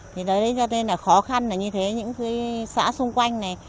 thì tới đấy cho nên là khó khăn là như thế những cái xã xung quanh này